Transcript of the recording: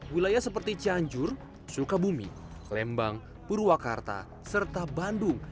wilayah seperti cianjur sukabumi lembang purwakarta serta bandung